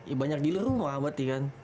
ya banyak di rumah abad nih kan